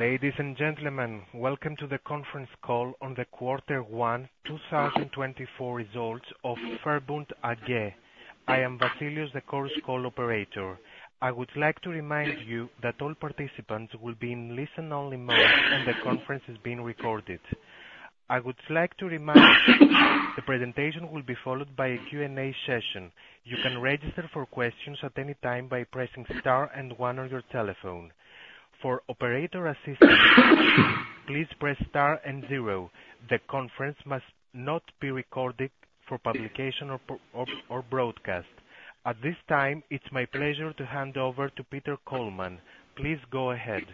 Ladies and gentlemen, welcome to the conference call on the Quarter One 2024 results of VERBUND AG. I am Vasilios, the call operator. I would like to remind you that all participants will be in listen-only mode and the conference is being recorded. I would like to remind you the presentation will be followed by a Q&A session. You can register for questions at any time by pressing star and one on your telephone. For operator assistance, please press star and zero. The conference must not be recorded for publication or broadcast. At this time, it's my pleasure to hand over to Peter Kollmann. Please go ahead.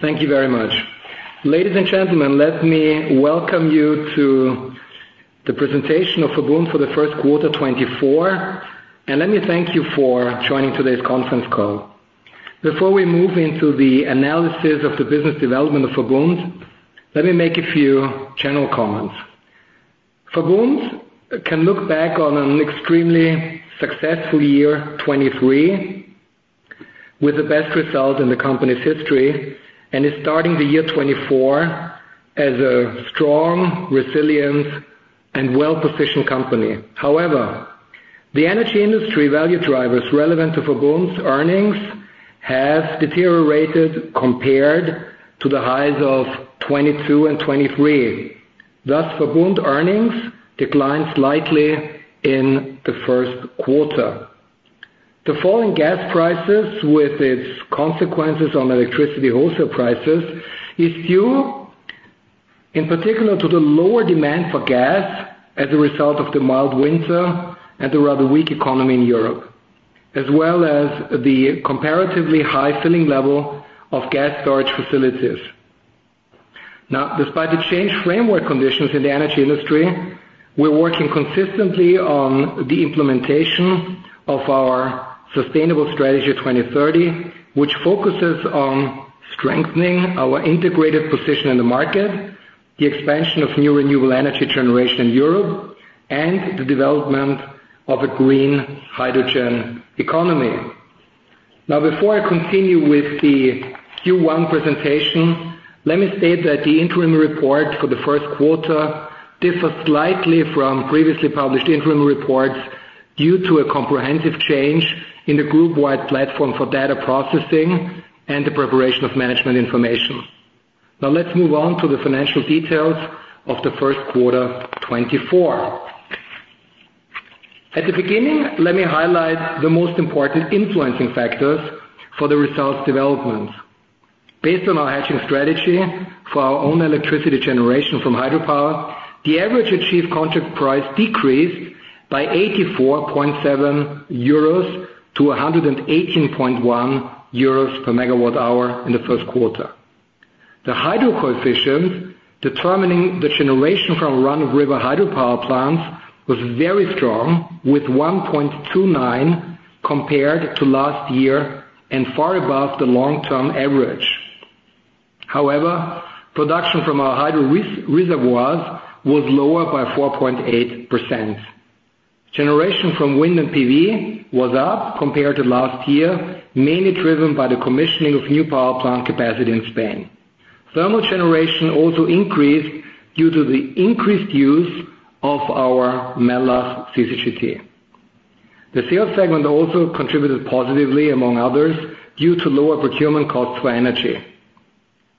Thank you very much. Ladies and gentlemen, let me welcome you to the presentation of VERBUND for the first quarter 2024, and let me thank you for joining today's conference call. Before we move into the analysis of the business development of VERBUND, let me make a few general comments. VERBUND can look back on an extremely successful year 2023, with the best result in the company's history, and is starting the year 2024 as a strong, resilient, and well-positioned company. However, the energy industry value drivers relevant to VERBUND's earnings have deteriorated compared to the highs of 2022 and 2023. Thus, VERBUND earnings declined slightly in the first quarter. The fall in gas prices, with its consequences on electricity wholesale prices, is due, in particular, to the lower demand for gas as a result of the mild winter and the rather weak economy in Europe, as well as the comparatively high filling level of gas storage facilities. Now, despite the changed framework conditions in the energy industry, we're working consistently on the implementation of our Sustainable Strategy 2030, which focuses on strengthening our integrated position in the market, the expansion of new renewable energy generation in Europe, and the development of a green hydrogen economy. Now, before I continue with the Q1 presentation, let me state that the interim report for the first quarter differs slightly from previously published interim reports due to a comprehensive change in the group-wide platform for data processing and the preparation of management information. Now, let's move on to the financial details of the first quarter 2024. At the beginning, let me highlight the most important influencing factors for the results' development. Based on our hedging strategy for our own electricity generation from hydropower, the average achieved contract price decreased by 84.7 euros to 118.1 euros per MWh in the first quarter. The Hydro Coefficient determining the generation from run-of-river hydropower plants was very strong, with 1.29 compared to last year and far above the long-term average. However, production from our hydro reservoirs was lower by 4.8%. Generation from wind and PV was up compared to last year, mainly driven by the commissioning of new power plant capacity in Spain. Thermal generation also increased due to the increased use of our Mellach CCGT. The sales segment also contributed positively, among others, due to lower procurement costs for energy.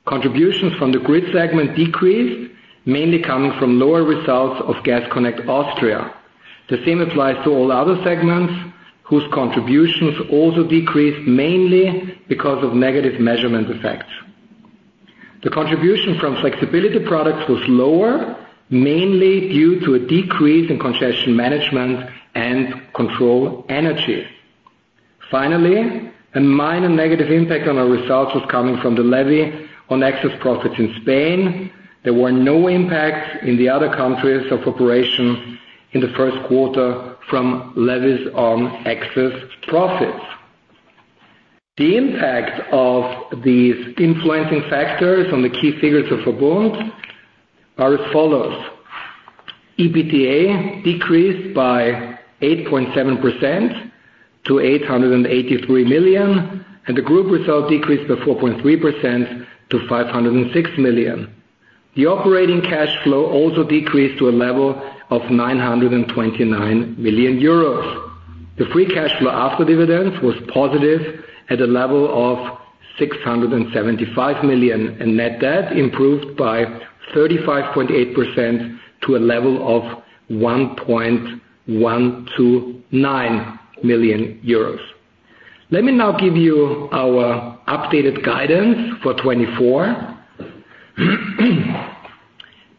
Contributions from the grid segment decreased, mainly coming from lower results of Gas Connect Austria. The same applies to all other segments, whose contributions also decreased mainly because of negative measurement effects. The contribution from flexibility products was lower, mainly due to a decrease in congestion management and control energy. Finally, a minor negative impact on our results was coming from the levy on excess profits in Spain. There were no impacts in the other countries of operation in the first quarter from levies on excess profits. The impact of these influencing factors on the key figures of VERBUND is as follows: EBITDA decreased by 8.7% to 883 million, and the group result decreased by 4.3% to 506 million. The operating cash flow also decreased to a level of 929 million euros. The free cash flow after dividends was positive at a level of 675 million, and net debt improved by 35.8% to a level of 1.129 million euros. Let me now give you our updated guidance for 2024.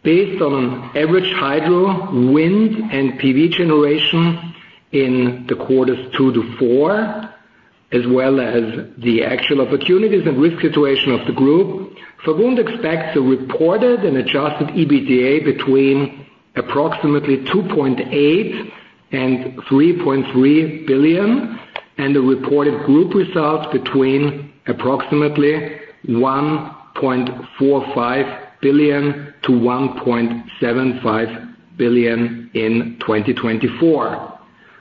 Based on average hydro, wind, and PV generation in the quarters two to four, as well as the actual opportunities and risk situation of the group, VERBUND expects a reported and adjusted EBITDA between approximately 2.8 billion and 3.3 billion, and a reported group result between approximately 1.45 billion to 1.75 billion in 2024.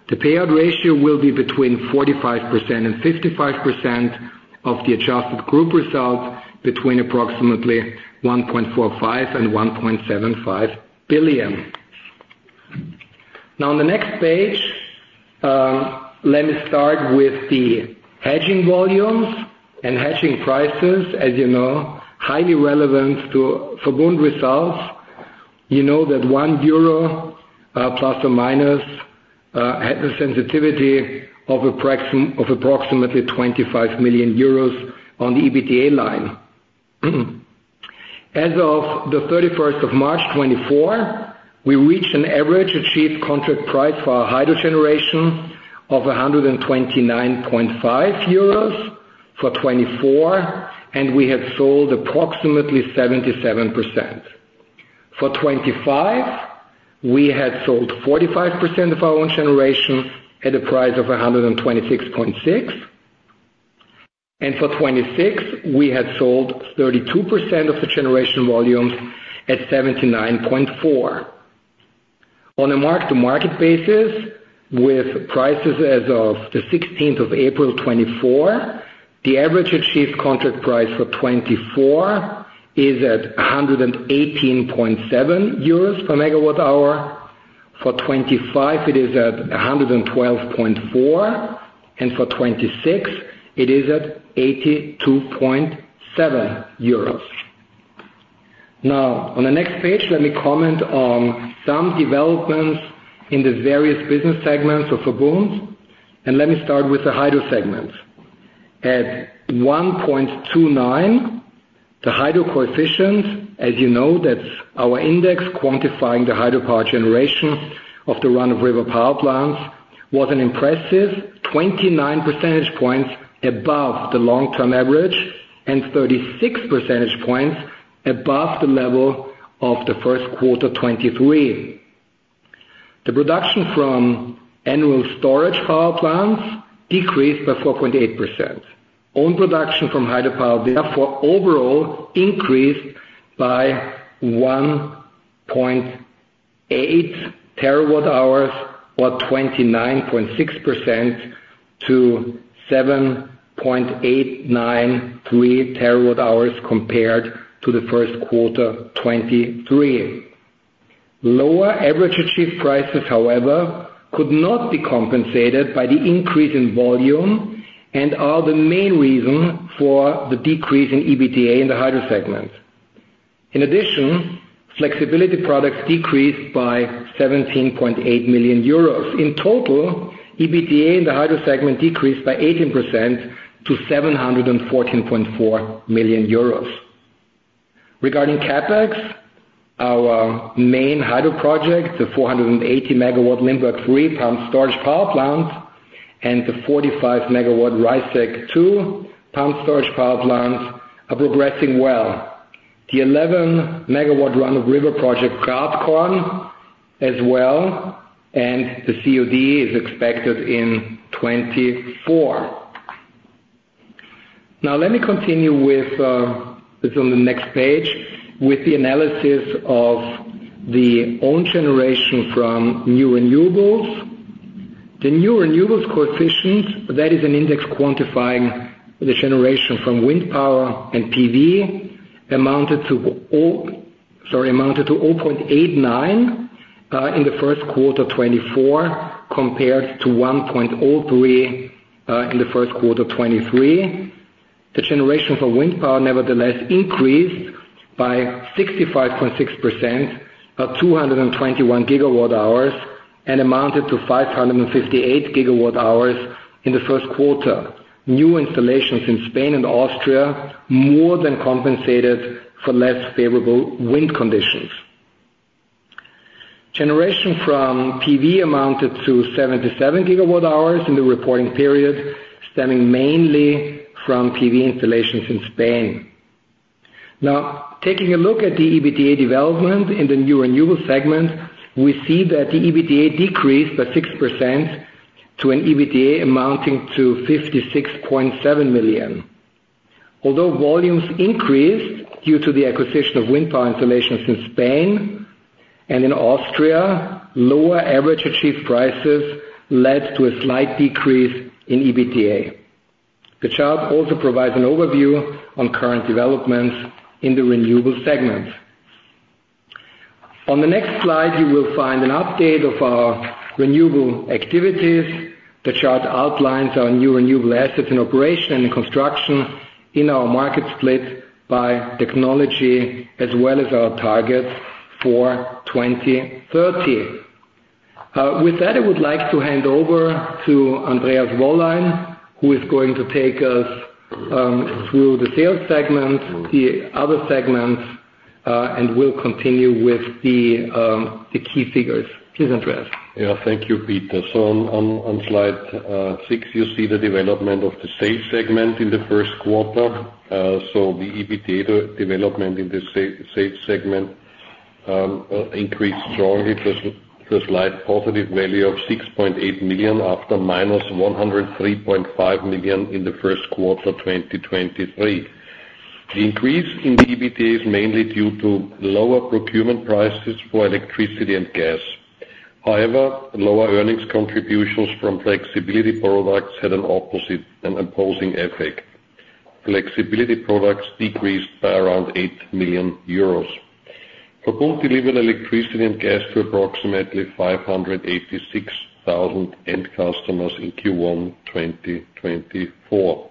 The payout ratio will be between 45% and 55% of the adjusted group result, between approximately 1.45 billion and 1.75 billion. Now, on the next page, let me start with the hedging volumes and hedging prices, as you know, highly relevant to VERBUND results. You know that EUR 1 ± had the sensitivity of approximately 25 million euros on the EBITDA line. As of the 31st of March, 2024, we reached an average achieved contract price for our hydro generation of 129.5 euros for 2024, and we had sold approximately 77%. For 2025, we had sold 45% of our own generation at a price of 126.6. And for 2026, we had sold 32% of the generation volumes at 79.4. On a Mark-to-Market basis, with prices as of the 16th of April, 2024, the average achieved contract price for 2024 is at 118.7 euros per megawatt-hour. For 2025, it is at 112.4, and for 2026, it is at 82.7 euros. Now, on the next page, let me comment on some developments in the various business segments of VERBUND. And let me start with the hydro segment. At 1.29, the hydro coefficient, as you know, that's our index quantifying the hydropower generation of the run-of-river power plants, was an impressive 29 percentage points above the long-term average and 36 percentage points above the level of the first quarter, 2023. The production from annual storage power plants decreased by 4.8%. Own production from hydropower, therefore, overall increased by 1.8 terawatt-hours, or 29.6%, to 7.893 terawatt-hours compared to the first quarter, 2023. Lower average achieved prices, however, could not be compensated by the increase in volume and are the main reason for the decrease in EBITDA in the hydro segment. In addition, flexibility products decreased by 17.8 million euros. In total, EBITDA in the hydro segment decreased by 18% to 714.4 million euros. Regarding CapEx, our main hydro project, the 480-MW Limberg III pump storage power plant and the 45-MW Reißeck II pump storage power plants, are progressing well. The 11-MW run-of-river project, Gratkorn, as well, and the COD is expected in 2024. Now, let me continue with this on the next page, with the analysis of the own generation from new renewables. The new renewables coefficient, that is, an index quantifying the generation from wind power and PV, amounted to sorry, amounted to 0.89 in the first quarter 2024, compared to 1.03 in the first quarter 2023. The generation from wind power, nevertheless, increased by 65.6%, or 221 GWh, and amounted to 558 GWh in the first quarter. New installations in Spain and Austria more than compensated for less favorable wind conditions. Generation from PV amounted to 77 GWh in the reporting period, stemming mainly from PV installations in Spain. Now, taking a look at the EBITDA development in the new renewable segment, we see that the EBITDA decreased by 6% to an EBITDA amounting to 56.7 million. Although volumes increased due to the acquisition of wind power installations in Spain and in Austria, lower average achieved prices led to a slight decrease in EBITDA. The chart also provides an overview on current developments in the renewable segments. On the next slide, you will find an update of our renewable activities. The chart outlines our new renewable assets in operation and in construction in our market split by technology, as well as our targets for 2030. With that, I would like to hand over to Andreas Wollein, who is going to take us through the sales segment, the other segments, and will continue with the key figures. Please, Andreas. Yeah. Thank you, Peter. So on slide six, you see the development of the sales segment in the first quarter. So the EBITDA development in the sales segment increased strongly to a slight positive value of 6.8 million after -103.5 million in the first quarter, 2023. The increase in the EBITDA is mainly due to lower procurement prices for electricity and gas. However, lower earnings contributions from flexibility products had an opposing effect. Flexibility products decreased by around 8 million euros. VERBUND delivered electricity and gas to approximately 586,000 end customers in Q1, 2024.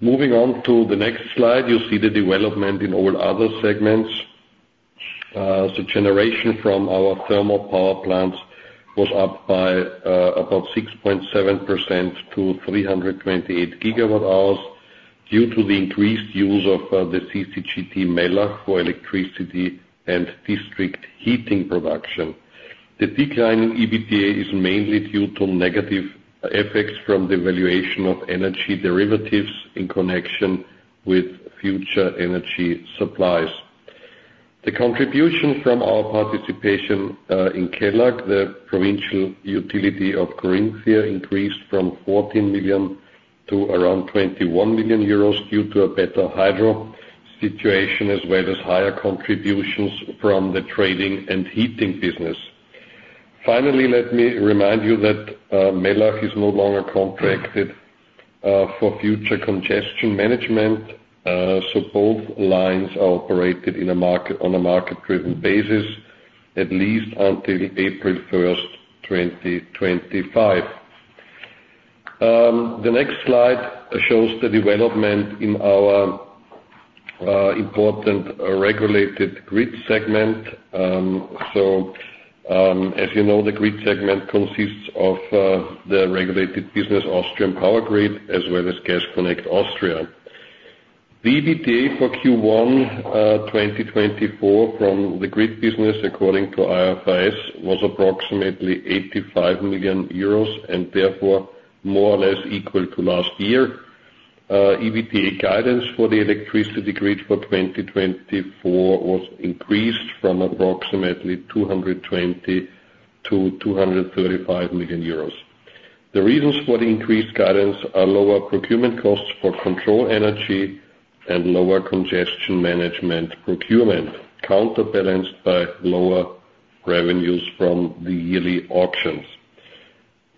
Moving on to the next slide, you see the development in all other segments. So generation from our thermal power plants was up by about 6.7% to 328 GWh due to the increased use of the CCGT Mellach for electricity and district heating production. The decline in EBITDA is mainly due to negative effects from the valuation of energy derivatives in connection with future energy supplies. The contribution from our participation in KELAG, the provincial utility of Carinthia, increased from 14 million to around 21 million euros due to a better hydro situation, as well as higher contributions from the trading and heating business. Finally, let me remind you that Mellach is no longer contracted for future congestion management. So both lines are operated on a market-driven basis, at least until April 1st, 2025. The next slide shows the development in our important regulated grid segment. So as you know, the grid segment consists of the regulated business, Austrian Power Grid, as well as Gas Connect Austria. The EBITDA for Q1, 2024, from the grid business, according to IFRS, was approximately 85 million euros and, therefore, more or less equal to last year. EBITDA guidance for the electricity grid for 2024 was increased from approximately 220 million to 235 million euros. The reasons for the increased guidance are lower procurement costs for control energy and lower congestion management procurement, counterbalanced by lower revenues from the yearly auctions.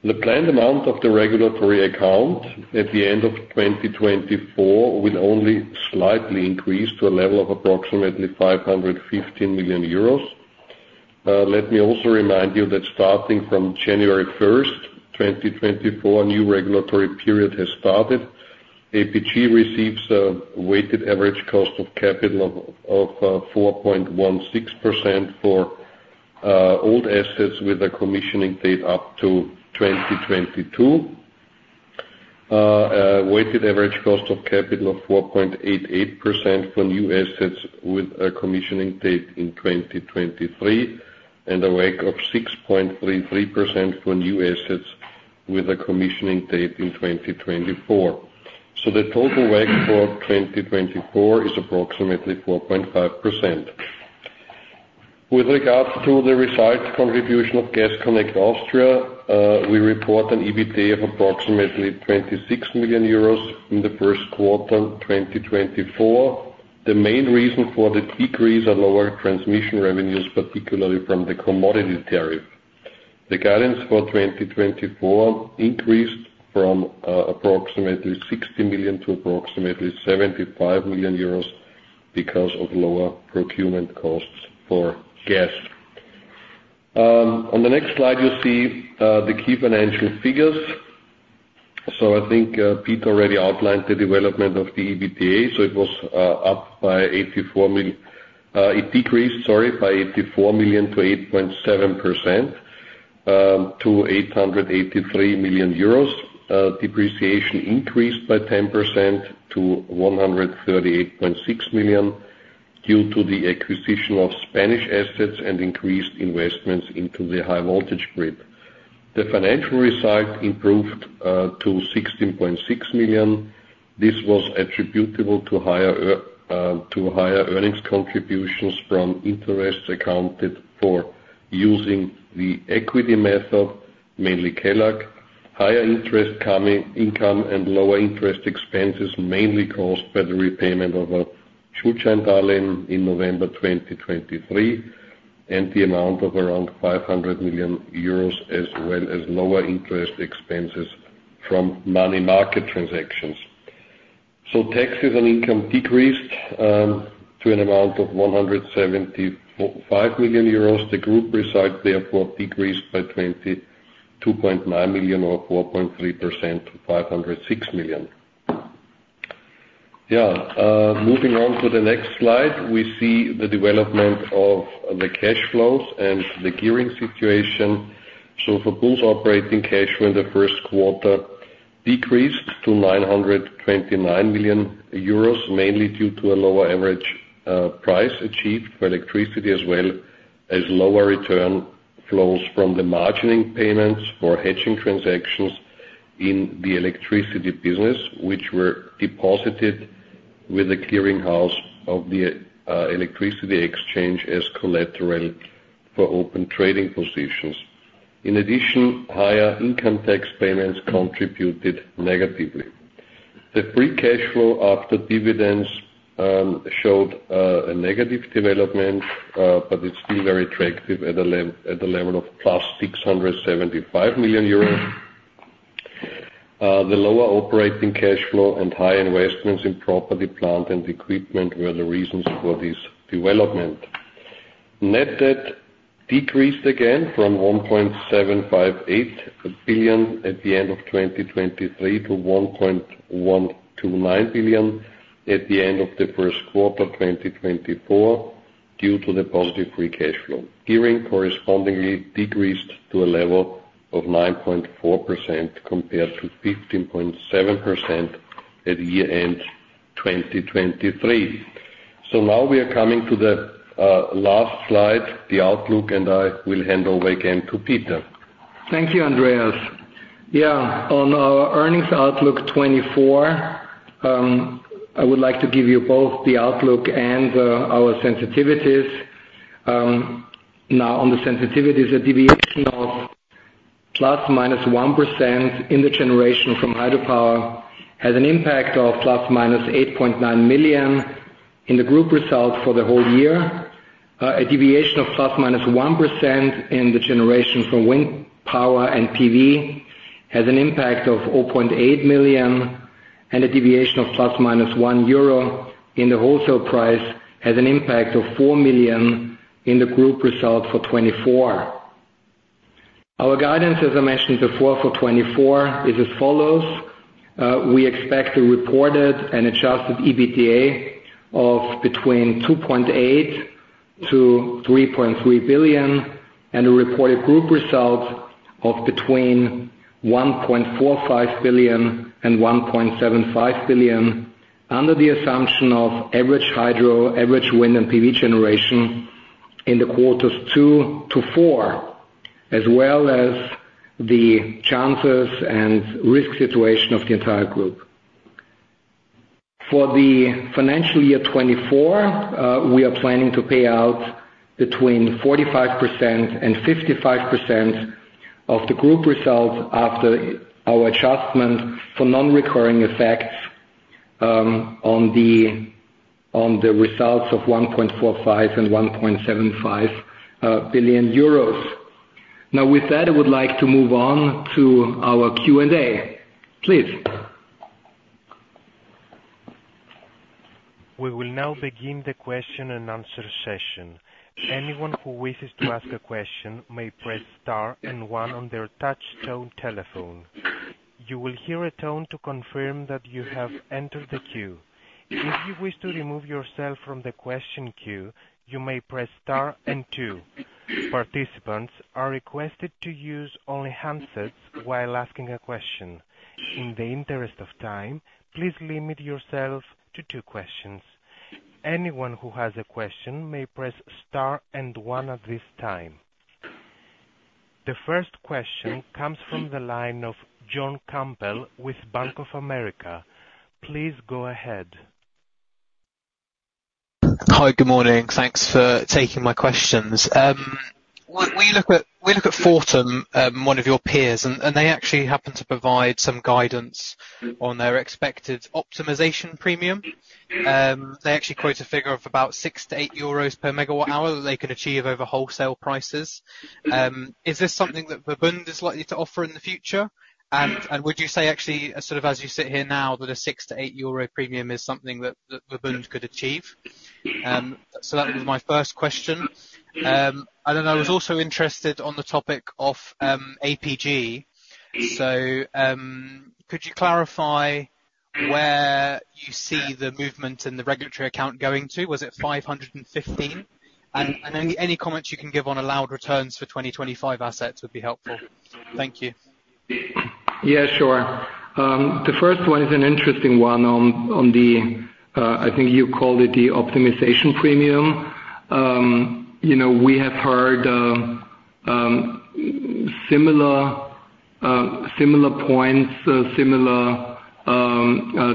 The planned amount of the regulatory account at the end of 2024 will only slightly increase to a level of approximately 515 million euros. Let me also remind you that starting from January 1st, 2024, a new regulatory period has started. APG receives a weighted average cost of capital of 4.16% for old assets with a commissioning date up to 2022, a weighted average cost of capital of 4.88% for new assets with a commissioning date in 2023, and a WACC of 6.33% for new assets with a commissioning date in 2024. So the total WACC for 2024 is approximately 4.5%. With regards to the result contribution of Gas Connect Austria, we report an EBITDA of approximately 26 million euros in the first quarter, 2024. The main reason for the decrease are lower transmission revenues, particularly from the commodity tariff. The guidance for 2024 increased from approximately 60 million to approximately 75 million euros because of lower procurement costs for gas. On the next slide, you see the key financial figures. So I think Peter already outlined the development of the EBITDA. So it was up by 84 million it decreased, sorry, by 84 million to 8.7% to 883 million euros. Depreciation increased by 10% to 138.6 million due to the acquisition of Spanish assets and increased investments into the high-voltage grid. The financial result improved to 16.6 million. This was attributable to higher earnings contributions from interests accounted for using the equity method, mainly KELAG, higher interest income and lower interest expenses mainly caused by the repayment of a Schuldscheindarlehen in November 2023, and the amount of around 500 million euros, as well as lower interest expenses from money market transactions. Taxes and income decreased to an amount of 175 million euros. The group result, therefore, decreased by 22.9 million, or 4.3%, to 506 million. Yeah. Moving on to the next slide, we see the development of the cash flows and the gearing situation. VERBUND's operating cash flow in the first quarter decreased to 929 million euros, mainly due to a lower average price achieved for electricity, as well as lower return flows from the margining payments for hedging transactions in the electricity business, which were deposited with the clearinghouse of the electricity exchange as collateral for open trading positions. In addition, higher income tax payments contributed negatively. The free cash flow after dividends showed a negative development, but it's still very attractive at the level of +675 million euros. The lower operating cash flow and high investments in property, plant, and equipment were the reasons for this development. Net debt decreased again from 1.758 billion at the end of 2023 to 1.129 billion at the end of the first quarter, 2024, due to the positive free cash flow. Gearing, correspondingly, decreased to a level of 9.4% compared to 15.7% at year-end, 2023. So now we are coming to the last slide, the outlook, and I will hand over again to Michael Thank you, Andreas. Yeah. On our earnings outlook, 2024, I would like to give you both the outlook and our sensitivities. Now, on the sensitivities, a deviation of ±1% in the generation from hydropower has an impact of ±8.9 million in the group result for the whole year. A deviation of ±1% in the generation from wind power and PV has an impact of 0.8 million, and a deviation of ±1 euro in the wholesale price has an impact of 4 million in the group result for 2024. Our guidance, as I mentioned before, for 2024 is as follows. We expect a reported and adjusted EBITDA of between 2.8 billion and 3.3 billion and a reported group result of between 1.45 billion and 1.75 billion, under the assumption of average hydro, average wind, and PV generation in the quarters 2 to 4, as well as the chances and risk situation of the entire group. For the financial year 2024, we are planning to pay out between 45% and 55% of the group result after our adjustment for non-recurring effects on the results of 1.45 billion and 1.75 billion euros. Now, with that, I would like to move on to our Q&A. Please. We will now begin the question-and-answer session. Anyone who wishes to ask a question may press star and one on their touch-tone telephone. You will hear a tone to confirm that you have entered the queue. If you wish to remove yourself from the question queue, you may press star and two. Participants are requested to use only handsets while asking a question. In the interest of time, please limit yourself to two questions. Anyone who has a question may press star and one at this time. The first question comes from the line of John Campbell with Bank of America. Please go ahead. Hi. Good morning. Thanks for taking my questions. We look at Fortum, one of your peers, and they actually happen to provide some guidance on their expected optimization premium. They actually quote a figure of about 6-8 euros per megawatt-hour that they can achieve over wholesale prices. Is this something that VERBUND is likely to offer in the future? And would you say, actually, sort of as you sit here now, that a 6-8 euro premium is something that VERBUND could achieve? So that was my first question. And then I was also interested on the topic of APG. So could you clarify where you see the movement in the regulatory account going to? Was it 515? And any comments you can give on allowed returns for 2025 assets would be helpful. Thank you. Yeah. Sure. The first one is an interesting one on the—I think you called it—the optimization premium. We have heard similar points, similar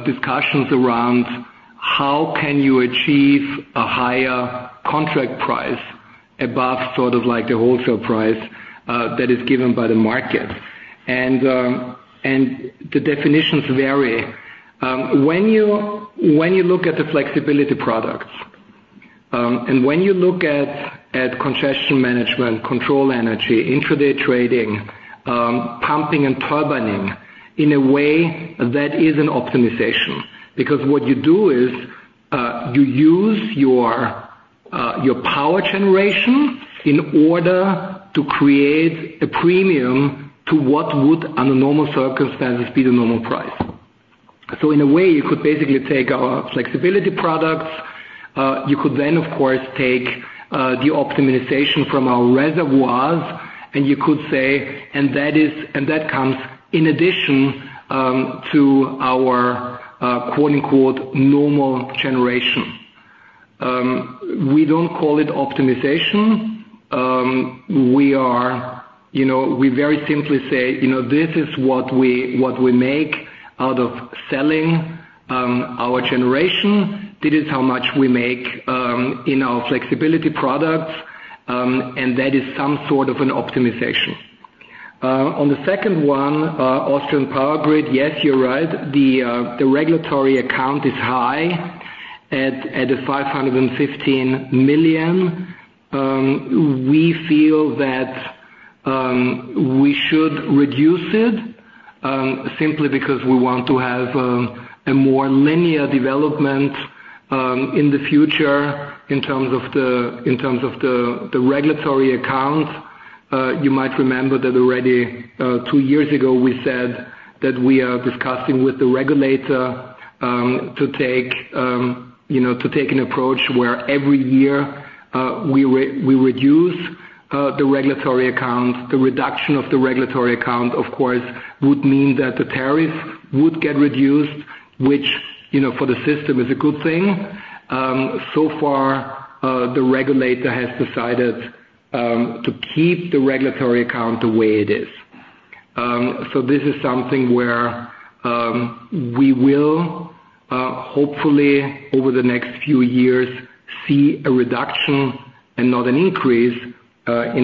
discussions around how can you achieve a higher contract price above sort of the wholesale price that is given by the market. And the definitions vary. When you look at the flexibility products and when you look at congestion management, control energy, intraday trading, pumping, and turbining in a way that is an optimization because what you do is you use your power generation in order to create a premium to what would, under normal circumstances, be the normal price. So in a way, you could basically take our flexibility products. You could then, of course, take the optimization from our reservoirs, and you could say, "And that comes in addition to our 'normal generation.'" We don't call it optimization. We very simply say, "This is what we make out of selling our generation. This is how much we make in our flexibility products. And that is some sort of an optimization." On the second one, Austrian Power Grid, yes, you're right. The regulatory account is high at the 515 million. We feel that we should reduce it simply because we want to have a more linear development in the future in terms of the regulatory account. You might remember that already two years ago, we said that we are discussing with the regulator to take an approach where every year, we reduce the regulatory account. The reduction of the regulatory account, of course, would mean that the tariffs would get reduced, which for the system is a good thing. So far, the regulator has decided to keep the regulatory account the way it is. This is something where we will, hopefully, over the next few years, see a reduction and not an increase in the regulatory account. John,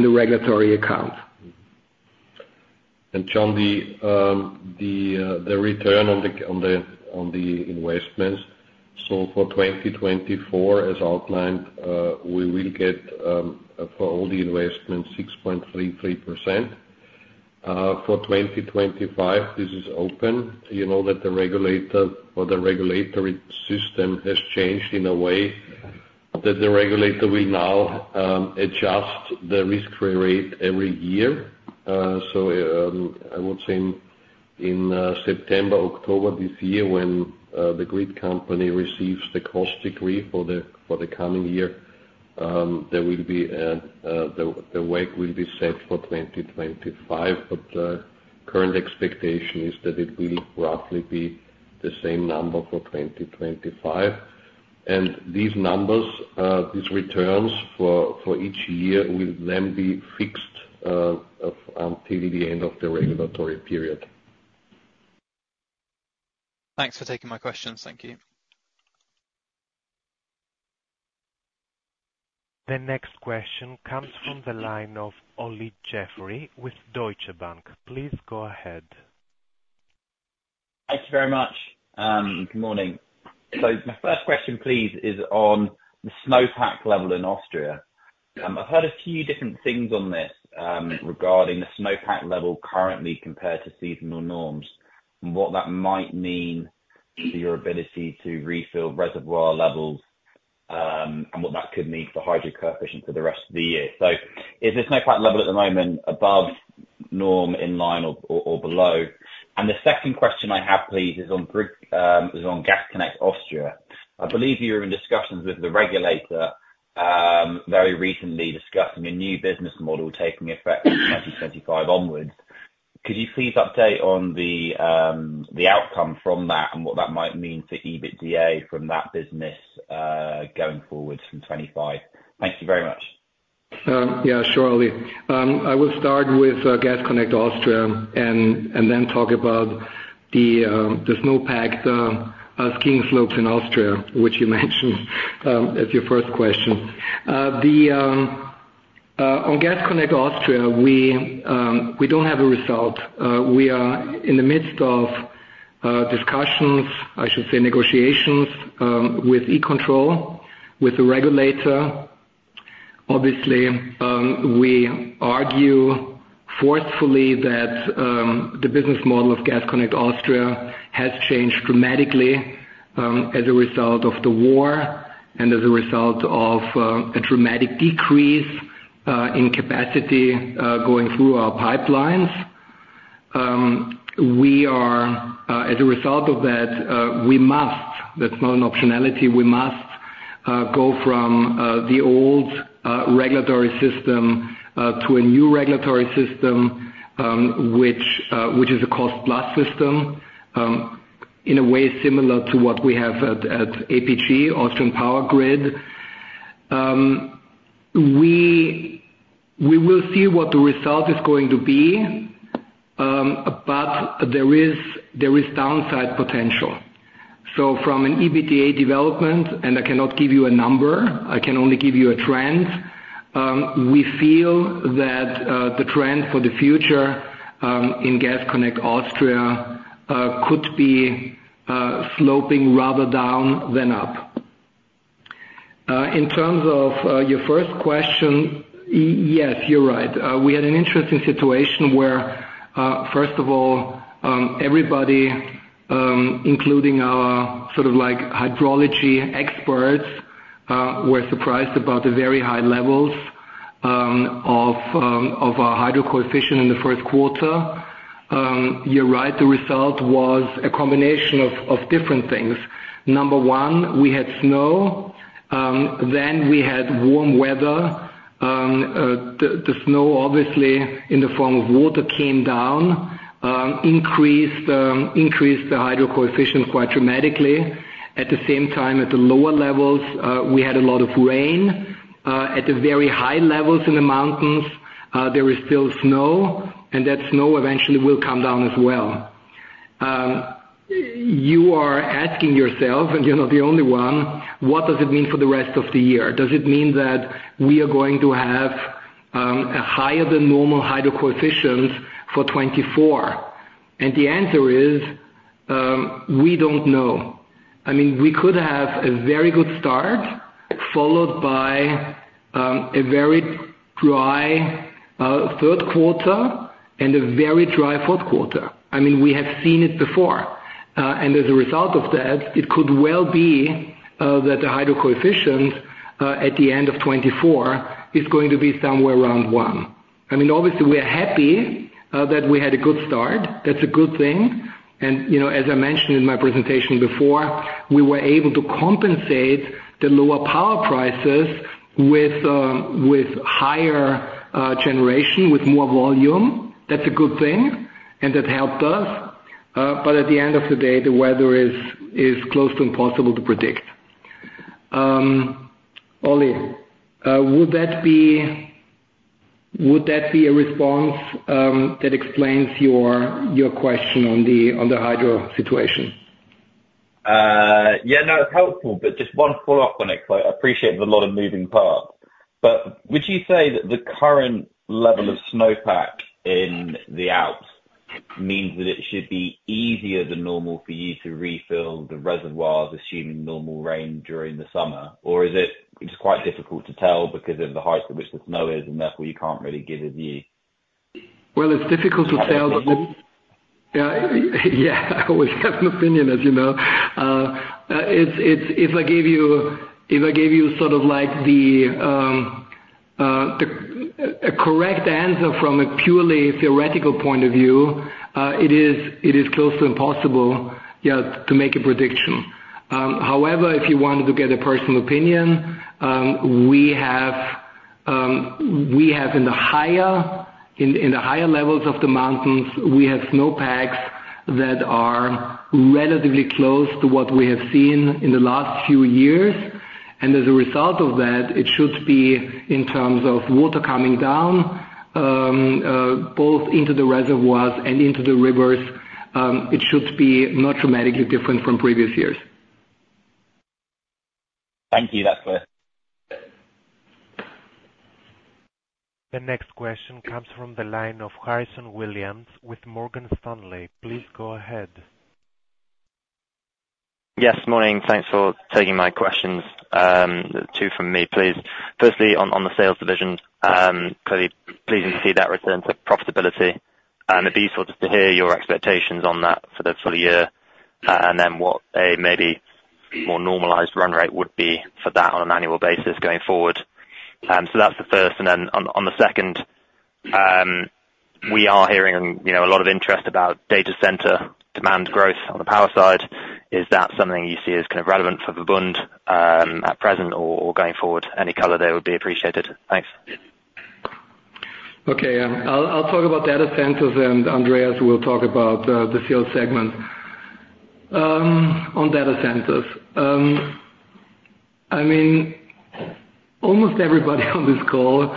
the return on the investments. So for 2024, as outlined, we will get for all the investments 6.33%. For 2025, this is open. You know that the regulator or the regulatory system has changed in a way that the regulator will now adjust the risk-free rate every year. So I would say in September, October this year, when the grid company receives the cost decree for the coming year, there will be the WACC will be set for 2025. But the current expectation is that it will roughly be the same number for 2025. And these numbers, these returns for each year, will then be fixed until the end of the regulatory period. Thanks for taking my questions. Thank you. The next question comes from the line of Olly Jeffrey with Deutsche Bank. Please go ahead. Thank you very much. Good morning. So my first question, please, is on the snowpack level in Austria. I've heard a few different things on this regarding the snowpack level currently compared to seasonal norms and what that might mean for your ability to refill reservoir levels and what that could mean for Hydro Coefficient for the rest of the year. So is the snowpack level at the moment above norm in line or below? And the second question I have, please, is on Gas Connect Austria. I believe you were in discussions with the regulator very recently discussing a new business model taking effect from 2025 onwards. Could you please update on the outcome from that and what that might mean for EBITDA from that business going forward from 2025? Thank you very much. Yeah. Sure, Olly. I will start with Gas Connect Austria and then talk about the snow-packed skiing slopes in Austria, which you mentioned as your first question. On Gas Connect Austria, we don't have a result. We are in the midst of discussions, I should say negotiations, with E-Control, with the regulator. Obviously, we argue forcefully that the business model of Gas Connect Austria has changed dramatically as a result of the war and as a result of a dramatic decrease in capacity going through our pipelines. As a result of that, we must. That's not an optionality. We must go from the old regulatory system to a new regulatory system, which is a cost-plus system in a way similar to what we have at APG, Austrian Power Grid. We will see what the result is going to be, but there is downside potential. So from an EBITDA development, and I cannot give you a number. I can only give you a trend, we feel that the trend for the future in Gas Connect Austria could be sloping rather down than up. In terms of your first question, yes, you're right. We had an interesting situation where, first of all, everybody, including our sort of hydrology experts, were surprised about the very high levels of our Hydro Coefficient in the first quarter. You're right. The result was a combination of different things. Number one, we had snow. Then we had warm weather. The snow, obviously, in the form of water came down, increased the Hydro Coefficient quite dramatically. At the same time, at the lower levels, we had a lot of rain. At the very high levels in the mountains, there is still snow. And that snow eventually will come down as well. You are asking yourself - and you're not the only one - what does it mean for the rest of the year? Does it mean that we are going to have a higher-than-normal Hydro Coefficient for 2024? And the answer is, we don't know. I mean, we could have a very good start followed by a very dry third quarter and a very dry fourth quarter. I mean, we have seen it before. And as a result of that, it could well be that the Hydro Coefficient at the end of 2024 is going to be somewhere around 1. I mean, obviously, we are happy that we had a good start. That's a good thing. And as I mentioned in my presentation before, we were able to compensate the lower power prices with higher generation, with more volume. That's a good thing. And that helped us. But at the end of the day, the weather is close to impossible to predict. Olly, would that be a response that explains your question on the hydro situation? Yeah. No, it's helpful. But just one follow-up on it. I appreciate there's a lot of moving parts. But would you say that the current level of snowpack in the Alps means that it should be easier than normal for you to refill the reservoirs, assuming normal rain during the summer? Or is it just quite difficult to tell because of the heights at which the snow is and, therefore, you can't really give a view? Well, it's difficult to tell. Yeah. Yeah. I always have an opinion, as you know. If I gave you sort of the correct answer from a purely theoretical point of view, it is close to impossible, yeah, to make a prediction. However, if you wanted to get a personal opinion, we have in the higher levels of the mountains, we have snowpacks that are relatively close to what we have seen in the last few years. And as a result of that, it should be, in terms of water coming down both into the reservoirs and into the rivers, it should be not dramatically different from previous years. Thank you. That's clear. The next question comes from the line of Harrison Williams with Morgan Stanley. Please go ahead. Yes. Morning. Thanks for taking my questions. Two from me, please. Firstly, on the sales division, clearly pleasing to see that return to profitability. It'd be useful just to hear your expectations on that for the full year and then what a maybe more normalized run rate would be for that on an annual basis going forward. So that's the first. And then on the second, we are hearing a lot of interest about data center demand growth on the power side. Is that something you see as kind of relevant for VERBUND at present or going forward? Any color, they would be appreciated. Thanks. Okay. I'll talk about data centers. And Andreas will talk about the sales segment on data centers. I mean, almost everybody on this call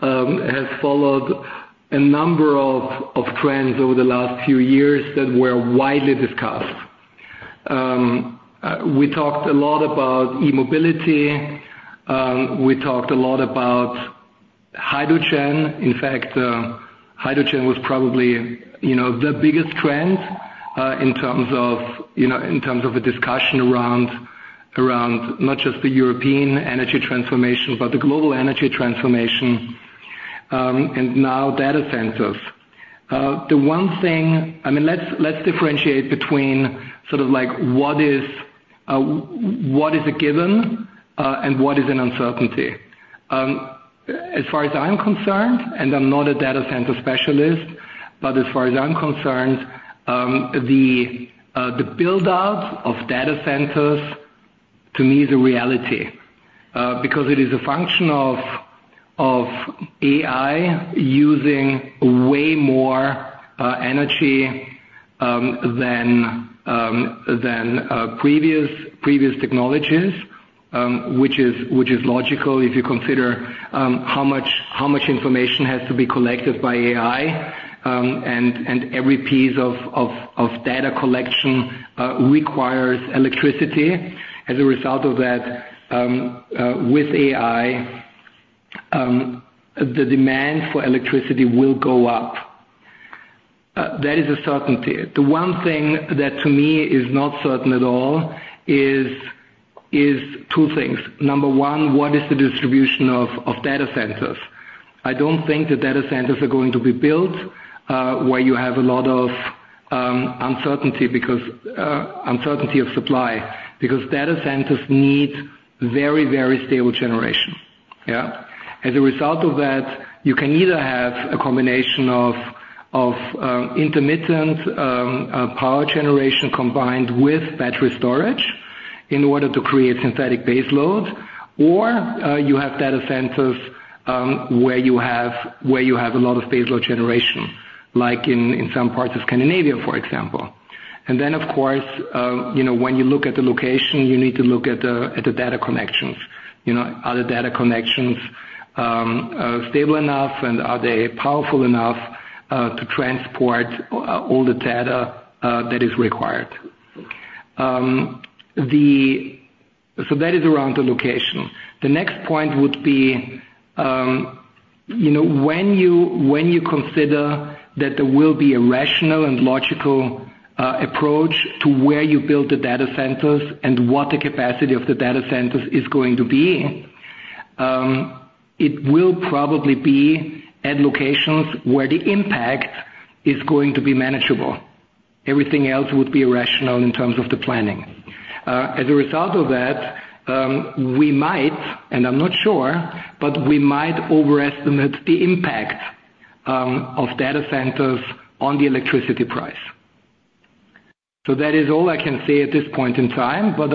has followed a number of trends over the last few years that were widely discussed. We talked a lot about e-mobility. We talked a lot about hydrogen. In fact, hydrogen was probably the biggest trend in terms of a discussion around not just the European energy transformation but the global energy transformation and now data centers. I mean, let's differentiate between sort of what is a given and what is an uncertainty. As far as I'm concerned, and I'm not a data center specialist, but as far as I'm concerned, the build-out of data centers, to me, is a reality because it is a function of AI using way more energy than previous technologies, which is logical if you consider how much information has to be collected by AI. And every piece of data collection requires electricity. As a result of that, with AI, the demand for electricity will go up. That is a certainty. The one thing that, to me, is not certain at all is two things. Number one, what is the distribution of data centers? I don't think that data centers are going to be built where you have a lot of uncertainty of supply because data centers need very, very stable generation. Yeah? As a result of that, you can either have a combination of intermittent power generation combined with battery storage in order to create synthetic baseload, or you have data centers where you have a lot of baseload generation, like in some parts of Scandinavia, for example. And then, of course, when you look at the location, you need to look at the data connections. Are the data connections stable enough, and are they powerful enough to transport all the data that is required? So that is around the location. The next point would be when you consider that there will be a rational and logical approach to where you build the data centers and what the capacity of the data centers is going to be, it will probably be at locations where the impact is going to be manageable. Everything else would be irrational in terms of the planning. As a result of that, we might - and I'm not sure - but we might overestimate the impact of data centers on the electricity price. So that is all I can say at this point in time. But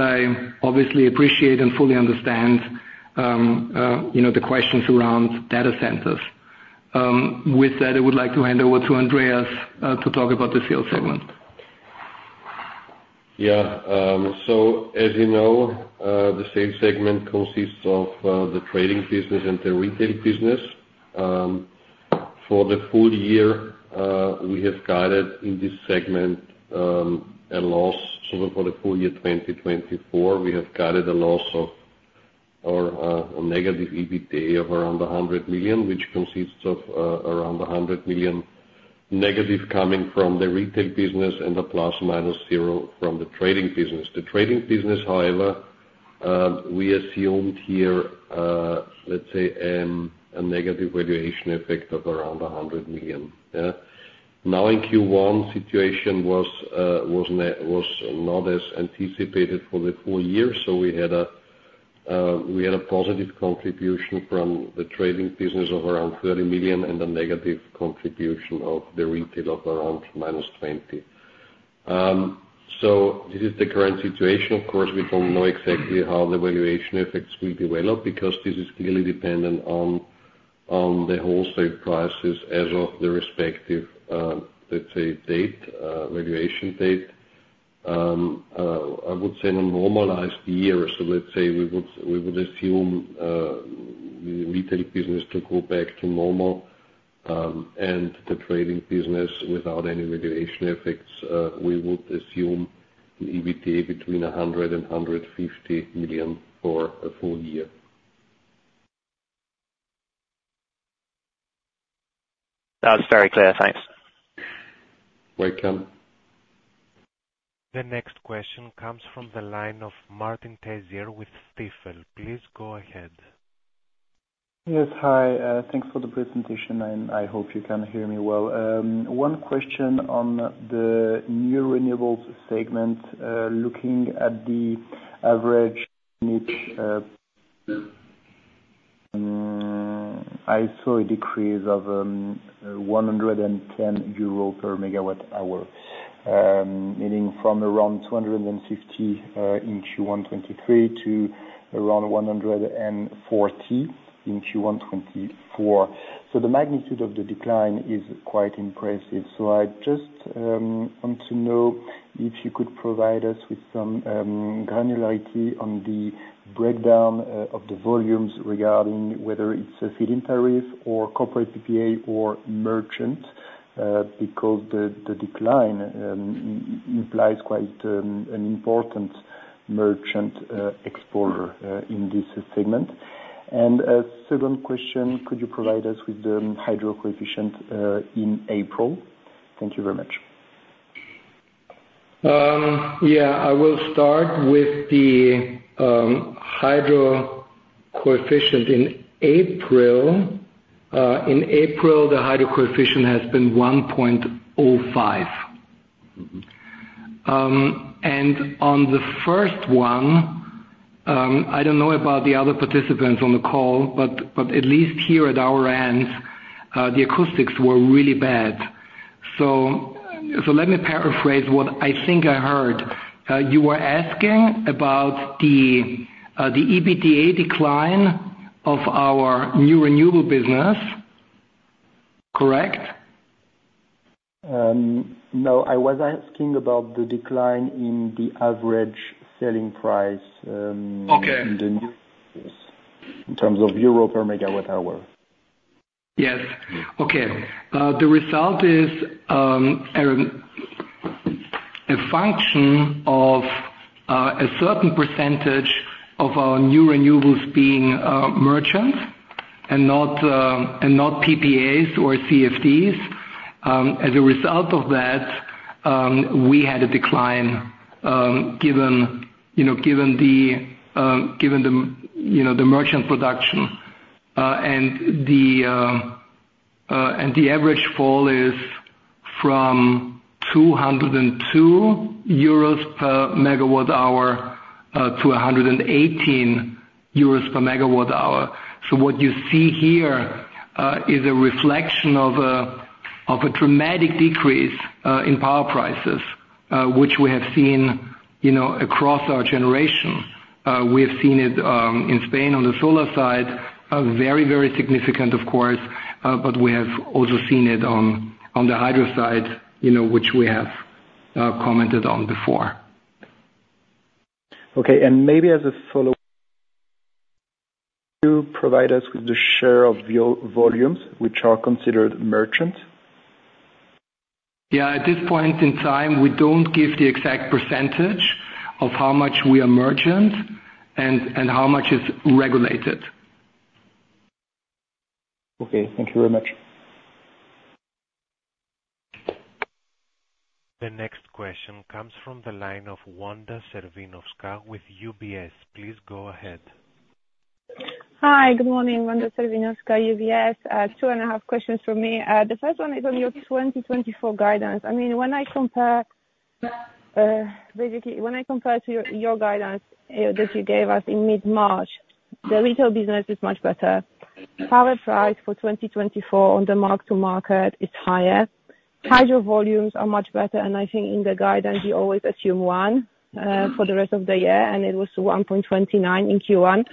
I obviously appreciate and fully understand the questions around data centers. With that, I would like to hand over to Andreas to talk about the sales segment. Yeah. So as you know, the sales segment consists of the trading business and the retail business. For the full year, we have guided in this segment a loss. So for the full year 2024, we have guided a loss of or a negative EBITDA of around 100 million, which consists of around 100 million negative coming from the retail business and a ±0 from the trading business. The trading business, however, we assumed here, let's say, a negative valuation effect of around 100 million. Yeah? Now, in Q1, the situation was not as anticipated for the full year. So we had a positive contribution from the trading business of around 30 million and a negative contribution of the retail of around minus 20 million. So this is the current situation. Of course, we don't know exactly how the valuation effects will develop because this is clearly dependent on the wholesale prices as of the respective, let's say, valuation date. I would say in a normalized year, so let's say we would assume the retail business to go back to normal and the trading business without any valuation effects, we would assume an EBITDA between 100 million and 150 million for a full year. That was very clear. Thanks. Welcome. The next question comes from the line of Martin Tessier with Stifel. Please go ahead. Yes. Hi. Thanks for the presentation. And I hope you can hear me well. One question on the new renewables segment. Looking at the average price I saw a decrease of 110 euro per megawatt-hour, meaning from around 250 in Q1 2023 to around 140 in Q1 2024. So the magnitude of the decline is quite impressive. So I just want to know if you could provide us with some granularity on the breakdown of the volumes regarding whether it's a feed-in tariff or corporate PPA or merchant because the decline implies quite an important merchant exposure in this segment. And a second question, could you provide us with the Hydro Coefficient in April? Thank you very much. Yeah. I will start with the Hydro Coefficient in April. In April, the Hydro Coefficient has been 1.05. And on the first one, I don't know about the other participants on the call, but at least here at our end, the acoustics were really bad. So let me paraphrase what I think I heard. You were asking about the EBITDA decline of our new renewable business, correct? No. I was asking about the decline in the average selling price in the new business in terms of euro per megawatt-hour. Yes. Okay. The result is a function of a certain percentage of our new renewables being merchants and not PPAs or CFDs. As a result of that, we had a decline given the merchant production. The average fall is from 202 euros per megawatt-hour to 118 euros per megawatt-hour. What you see here is a reflection of a dramatic decrease in power prices, which we have seen across our generation. We have seen it in Spain on the solar side, very, very significant, of course. We have also seen it on the hydro side, which we have commented on before. Okay. Maybe as a follow-up, could you provide us with the share of volumes which are considered merchant? Yeah. At this point in time, we don't give the exact percentage of how much we are merchant and how much is regulated. Okay. Thank you very much. The next question comes from the line of Wanda Serwinowska with UBS. Please go ahead. Hi. Good morning, Wanda Serwinowska, UBS. Two and a half questions from me. The first one is on your 2024 guidance. I mean, when I compare basically, when I compare to your guidance that you gave us in mid-March, the retail business is much better. Power price for 2024 on the mark-to-market is higher. Hydro volumes are much better. And I think in the guidance, you always assume 1 for the rest of the year. And it was 1.29 in Q1.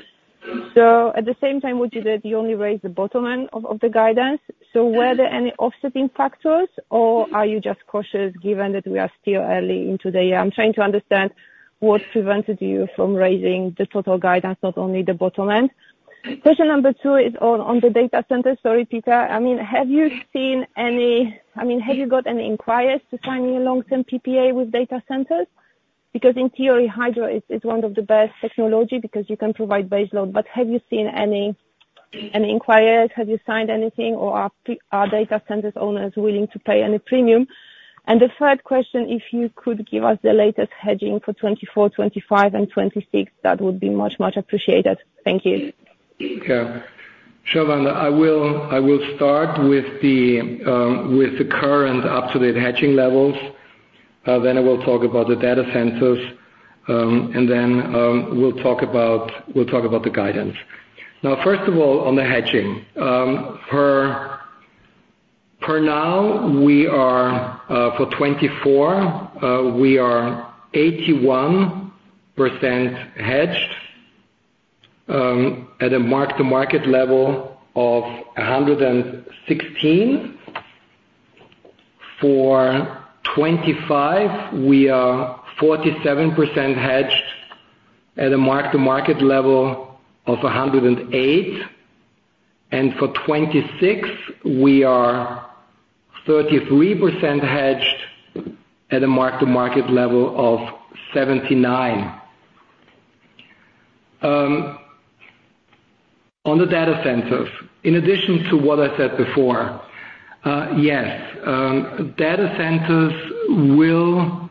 So at the same time, what you did, you only raised the bottom end of the guidance. So were there any offsetting factors, or are you just cautious given that we are still early into the year? I'm trying to understand what prevented you from raising the total guidance, not only the bottom end. Question number 2 is on the data centers. Sorry, Peter. I mean, have you seen any I mean, have you got any inquiries to sign a long-term PPA with data centers? Because in theory, hydro is one of the best technology because you can provide baseload. But have you seen any inquiries? Have you signed anything? Or are data centers owners willing to pay any premium? And the third question, if you could give us the latest hedging for 2024, 2025, and 2026, that would be much, much appreciated. Thank you. Yeah. Sure, Wanda. I will start with the current up-to-date hedging levels. Then I will talk about the data centers. And then we'll talk about the guidance. Now, first of all, on the hedging, per now, for 2024, we are 81% hedged at a Mark-to-Market level of 116. For 2025, we are 47% hedged at a Mark-to-Market level of 108. And for 2026, we are 33% hedged at a Mark-to-Market level of 79. On the data centers, in addition to what I said before, yes, data centers will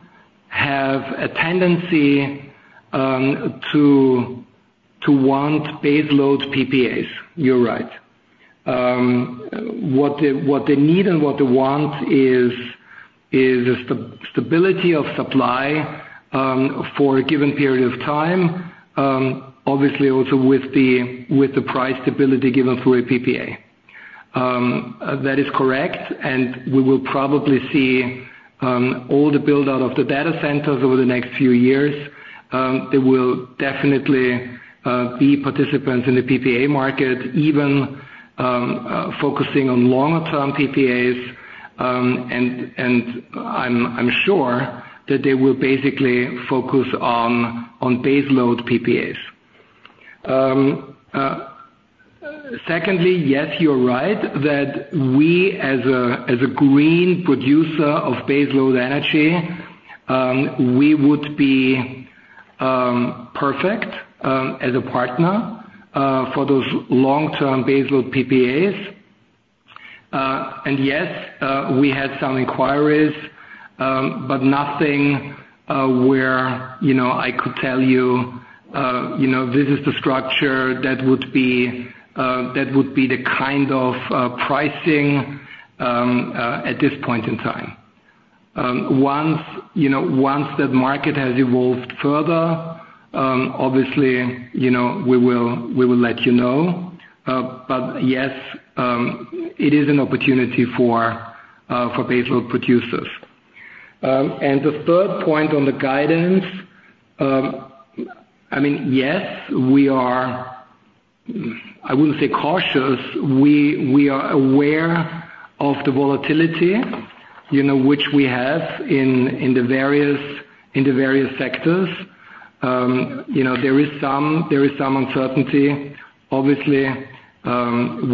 have a tendency to want baseload PPAs. You're right. What they need and what they want is the stability of supply for a given period of time, obviously also with the price stability given through a PPA. That is correct. And we will probably see all the build-out of the data centers over the next few years. There will definitely be participants in the PPA market, even focusing on longer-term PPAs. And I'm sure that they will basically focus on baseload PPAs. Secondly, yes, you're right that we, as a green producer of baseload energy, we would be perfect as a partner for those long-term baseload PPAs. And yes, we had some inquiries, but nothing where I could tell you, "This is the structure. That would be the kind of pricing at this point in time." Once that market has evolved further, obviously, we will let you know. But yes, it is an opportunity for baseload producers. And the third point on the guidance, I mean, yes, we are, I wouldn't say, cautious. We are aware of the volatility, which we have in the various sectors. There is some uncertainty. Obviously,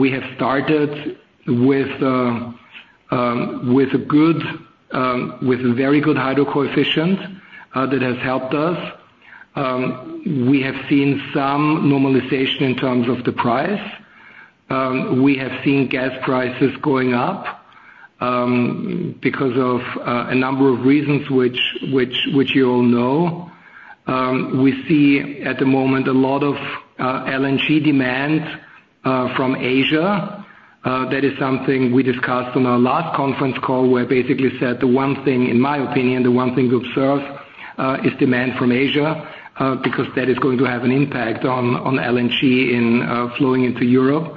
we have started with a very good hydro coefficient that has helped us. We have seen some normalization in terms of the price. We have seen gas prices going up because of a number of reasons, which you all know. We see at the moment a lot of LNG demand from Asia. That is something we discussed on our last conference call where I basically said the one thing, in my opinion, the one thing to observe is demand from Asia because that is going to have an impact on LNG flowing into Europe.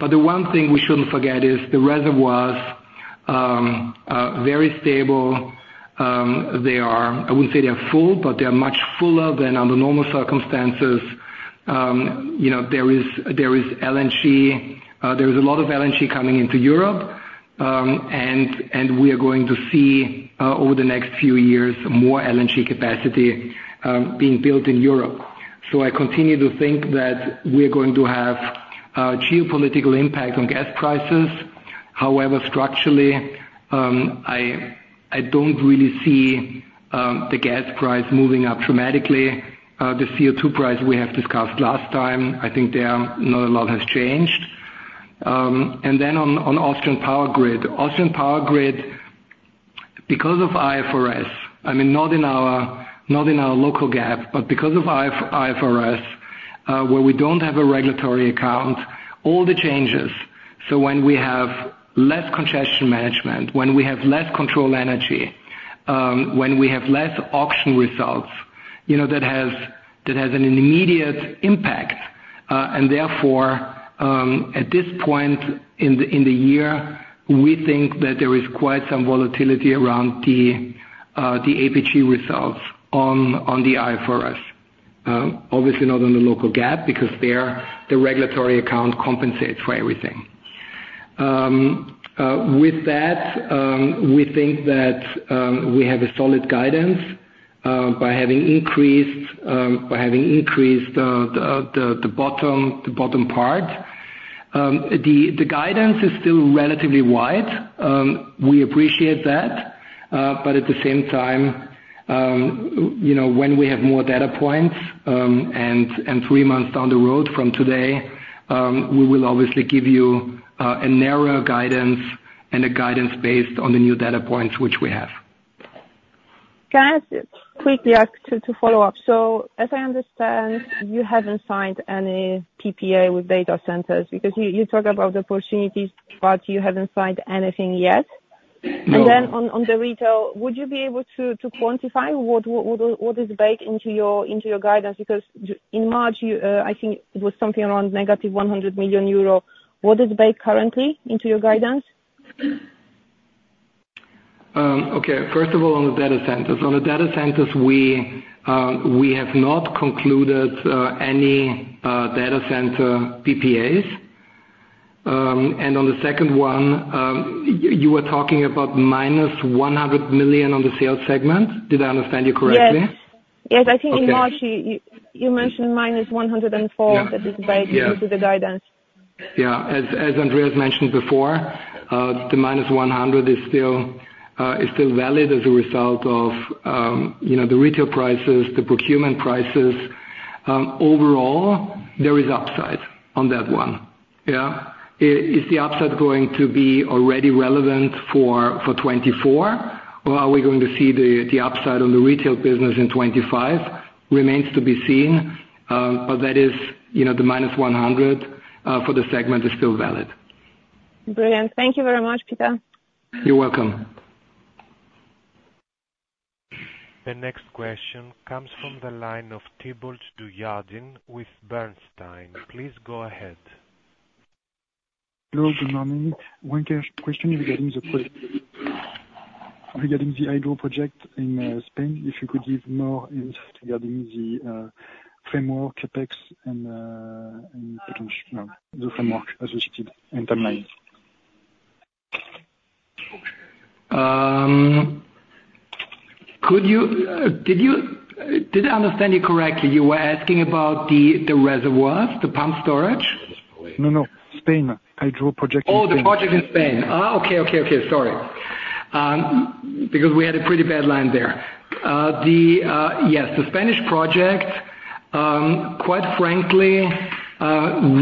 But the one thing we shouldn't forget is the reservoirs are very stable. I wouldn't say they are full, but they are much fuller than under normal circumstances. There is LNG. There is a lot of LNG coming into Europe. We are going to see over the next few years more LNG capacity being built in Europe. So I continue to think that we are going to have a geopolitical impact on gas prices. However, structurally, I don't really see the gas price moving up dramatically. The CO2 price we have discussed last time, I think not a lot has changed. And then on Austrian Power Grid, Austrian Power Grid, because of IFRS, I mean, not in our local GAAP, but because of IFRS, where we don't have a regulatory account, all the changes so when we have less congestion management, when we have less control energy, when we have less auction results, that has an immediate impact. And therefore, at this point in the year, we think that there is quite some volatility around the APG results on the IFRS, obviously not on the local GAAP because the regulatory account compensates for everything. With that, we think that we have a solid guidance by having increased the bottom part. The guidance is still relatively wide. We appreciate that. But at the same time, when we have more data points and three months down the road from today, we will obviously give you a narrower guidance and a guidance based on the new data points which we have. Can I ask quickly to follow up? So as I understand, you haven't signed any PPA with data centers because you talk about the opportunities, but you haven't signed anything yet. And then on the retail, would you be able to quantify what is baked into your guidance? Because in March, I think it was something around negative 100 million euro. What is baked currently into your guidance? Okay. First of all, on the data centers. On the data centers, we have not concluded any data center PPAs. And on the second one, you were talking about -100 million on the sales segment. Did I understand you correctly? Yes. Yes. I think in March, you mentioned -104 that is baked into the guidance. Yeah. As Andreas mentioned before, the minus 100 is still valid as a result of the retail prices, the procurement prices. Overall, there is upside on that one. Yeah. Is the upside going to be already relevant for 2024, or are we going to see the upside on the retail business in 2025? Remains to be seen. But the minus 100 for the segment is still valid. Brilliant. Thank you very much, Peter. You're welcome. The next question comes from the line of Thibault Dujardin with Bernstein. Please go ahead. Hello. Good morning. One question regarding the hydro project in Spain, if you could give more insights regarding the framework, CapEx, and the framework associated and timelines. Did I understand you correctly? You were asking about the reservoirs, the pump storage? No, no. Spain. Hydro project in Spain. Oh, the project in Spain. Okay, okay, okay. Sorry, because we had a pretty bad line there. Yes, the Spanish project. Quite frankly,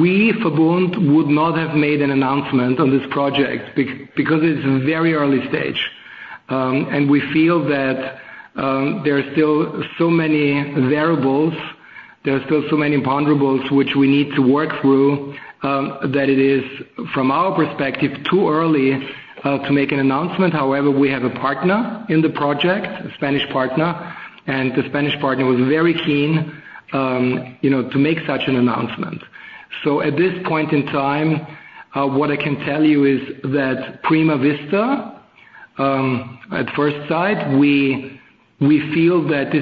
we, VERBUND, would not have made an announcement on this project because it's a very early stage. And we feel that there are still so many variables. There are still so many imponderables which we need to work through that it is, from our perspective, too early to make an announcement. However, we have a partner in the project, a Spanish partner. And the Spanish partner was very keen to make such an announcement. So at this point in time, what I can tell you is that Prima Vista, at first sight, we feel that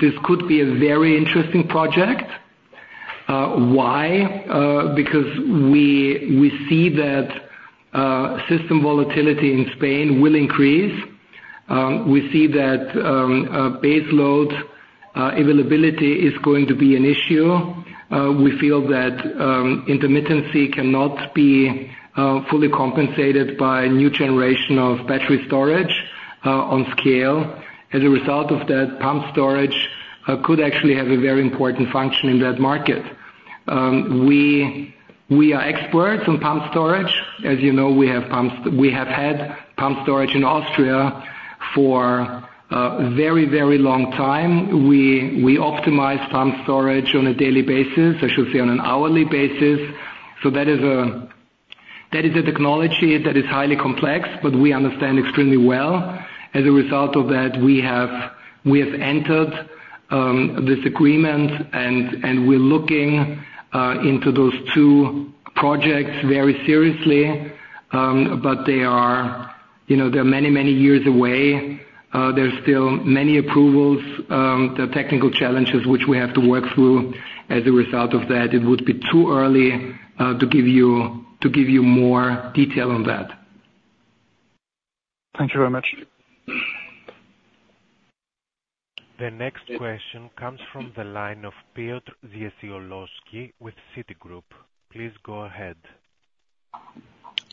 this could be a very interesting project. Why? Because we see that system volatility in Spain will increase. We see that baseload availability is going to be an issue. We feel that intermittency cannot be fully compensated by new generation of battery storage on scale. As a result of that, pump storage could actually have a very important function in that market. We are experts on pump storage. As you know, we have had pump storage in Austria for a very, very long time. We optimize pump storage on a daily basis, I should say on an hourly basis. So that is a technology that is highly complex, but we understand extremely well. As a result of that, we have entered this agreement. And we're looking into those two projects very seriously. But they are many, many years away. There are still many approvals. There are technical challenges which we have to work through. As a result of that, it would be too early to give you more detail on that. Thank you very much. The next question comes from the line of Piotr Dzieciolowski with Citigroup. Please go ahead.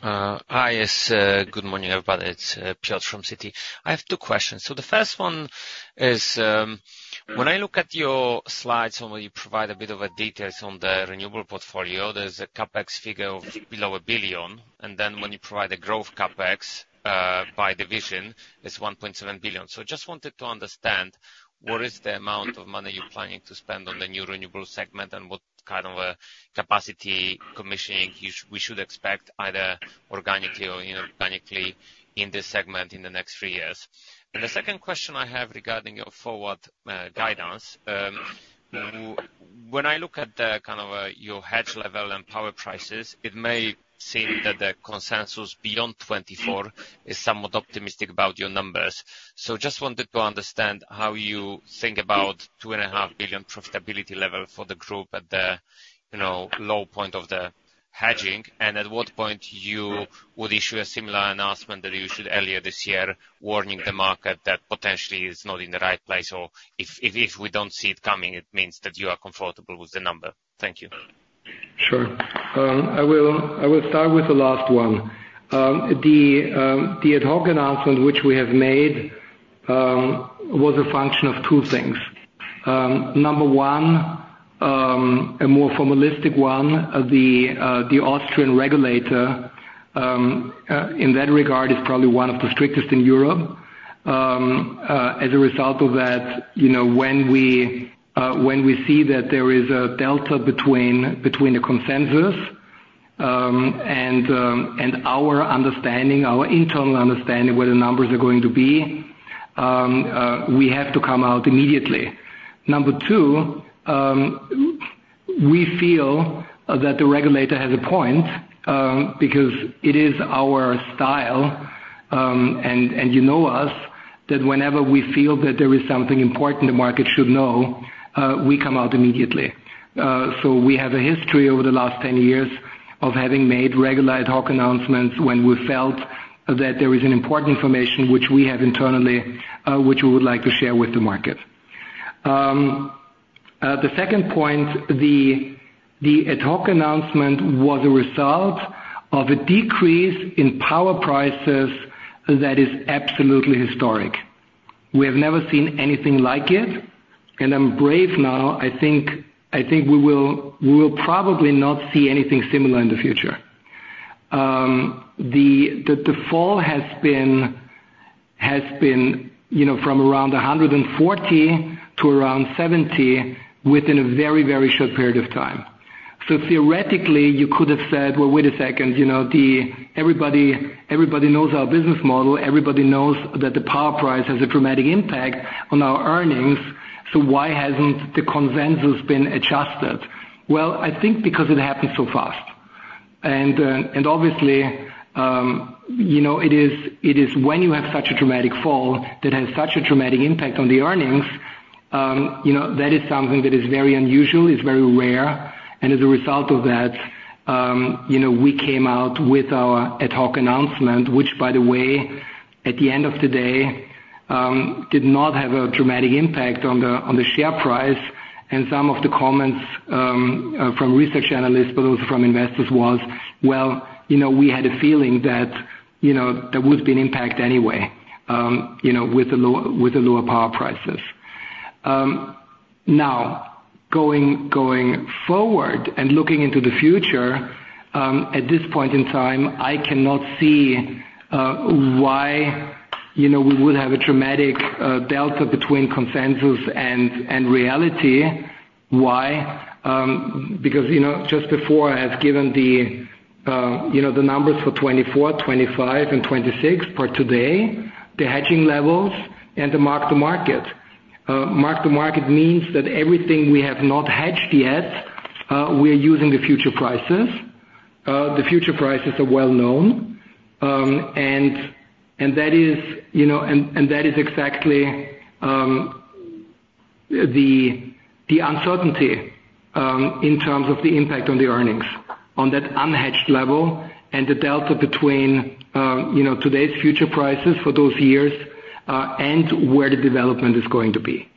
Hi. Good morning, everybody. It's Piotr from Citi. I have two questions. So the first one is, when I look at your slides and when you provide a bit of details on the renewable portfolio, there's a CapEx figure of below 1 billion. And then when you provide a growth CapEx by division, it's 1.7 billion. So I just wanted to understand, what is the amount of money you're planning to spend on the new renewable segment and what kind of a capacity commissioning we should expect either organically or inorganically in this segment in the next three years? And the second question I have regarding your forward guidance, when I look at kind of your hedge level and power prices, it may seem that the consensus beyond 2024 is somewhat optimistic about your numbers. I just wanted to understand how you think about 2.5 billion profitability level for the group at the low point of the hedging and at what point you would issue a similar announcement that you issued earlier this year, warning the market that potentially it's not in the right place or if we don't see it coming, it means that you are comfortable with the number? Thank you. Sure. I will start with the last one. The ad hoc announcement which we have made was a function of two things. Number one, a more formalistic one, the Austrian regulator, in that regard, is probably one of the strictest in Europe. As a result of that, when we see that there is a delta between the consensus and our internal understanding where the numbers are going to be, we have to come out immediately. Number two, we feel that the regulator has a point because it is our style and you know us that whenever we feel that there is something important the market should know, we come out immediately. So we have a history over the last 10 years of having made regular ad hoc announcements when we felt that there is important information which we have internally which we would like to share with the market. The second point, the ad hoc announcement was a result of a decrease in power prices that is absolutely historic. We have never seen anything like it. And I'm brave now. I think we will probably not see anything similar in the future. The fall has been from around 140 to around 70 within a very, very short period of time. So theoretically, you could have said, "Well, wait a second. Everybody knows our business model. Everybody knows that the power price has a dramatic impact on our earnings. So why hasn't the consensus been adjusted?" Well, I think because it happened so fast. And obviously, it is when you have such a dramatic fall that has such a dramatic impact on the earnings. That is something that is very unusual, is very rare. As a result of that, we came out with our ad hoc announcement which, by the way, at the end of the day, did not have a dramatic impact on the share price. Some of the comments from research analysts, but also from investors, was, "Well, we had a feeling that there would be an impact anyway with the lower power prices." Now, going forward and looking into the future, at this point in time, I cannot see why we would have a dramatic delta between consensus and reality. Why? Because just before, I have given the numbers for 2024, 2025, and 2026 for today, the hedging levels, and the Mark-to-Market. Mark-to-Market means that everything we have not hedged yet, we are using the future prices. The future prices are well known. And that is exactly the uncertainty in terms of the impact on the earnings on that unhedged level and the delta between today's future prices for those years and where the development is going to be.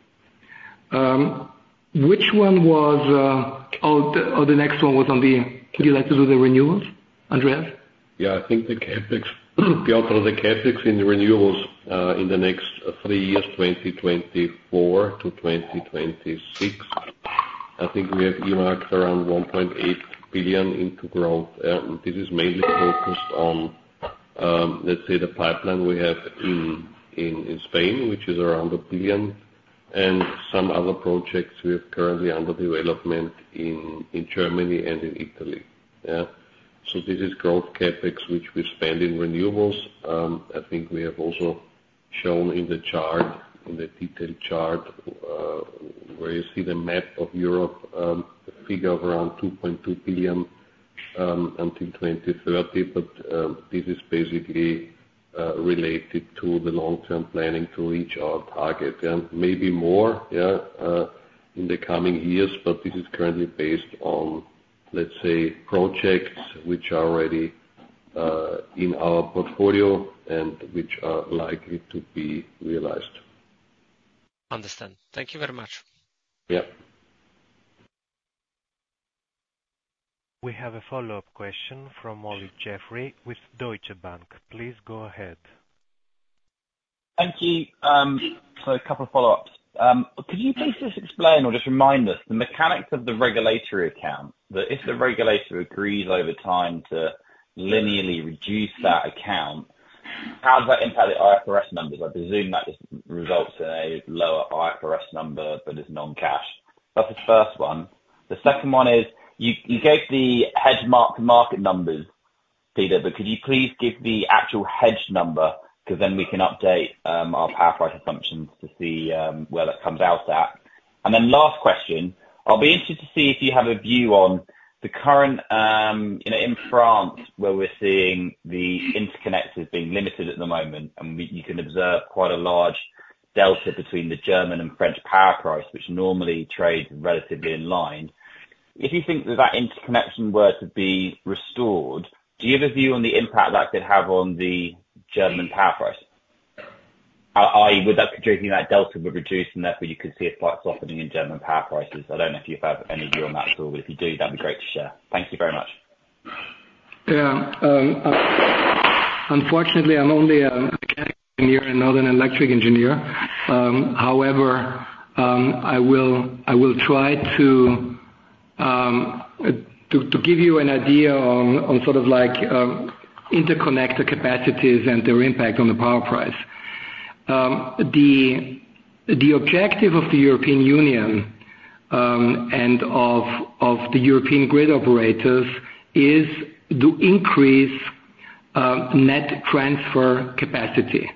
Which one was? Oh, the next one was on the would you like to do the renewals, Peter? Yeah. I think the CapEx delta of the CapEx in the renewables in the next three years, 2024 to 2026, I think we have earmarked around 1.8 billion into growth. This is mainly focused on, let's say, the pipeline we have in Spain, which is around 1 billion, and some other projects we have currently under development in Germany and in Italy. Yeah. So this is growth CapEx which we spend in renewables. I think we have also shown in the chart, in the detailed chart, where you see the map of Europe, a figure of around 2.2 billion until 2030. But this is basically related to the long-term planning to reach our target and maybe more, yeah, in the coming years. But this is currently based on, let's say, projects which are already in our portfolio and which are likely to be realized. Understood. Thank you very much. Yep. We have a follow-up question from Olly Jeffrey with Deutsche Bank. Please go ahead. Thank you. So a couple of follow-ups. Could you please just explain or just remind us the mechanics of the regulatory account? That if the regulator agrees over time to linearly reduce that account, how does that impact the IFRS numbers? I presume that just results in a lower IFRS number but it's non-cash. That's the first one. The second one is, you gave the hedge mark-to-market numbers, Peter, but could you please give the actual hedge number because then we can update our power price assumptions to see where that comes out at? And then last question, I'll be interested to see if you have a view on the current in France where we're seeing the interconnect being limited at the moment, and you can observe quite a large delta between the German and French power price, which normally trades relatively in line. If you think that that interconnection were to be restored, do you have a view on the impact that could have on the German power price, i.e., would that contribute to that delta reduced and therefore you could see a slight softening in German power prices? I don't know if you have any view on that at all, but if you do, that'd be great to share. Thank you very much. Yeah. Unfortunately, I'm only a mechanical engineer and not an electrical engineer. However, I will try to give you an idea on sort of interconnector capacities and their impact on the power price. The objective of the European Union and of the European grid operators is to increase net transfer capacity.